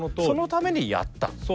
そのためにやった。